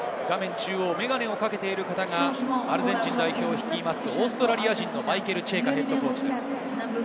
眼鏡をかけている方がアルゼンチン代表を率いるオーストラリア人のマイケル・チェイカＨＣです。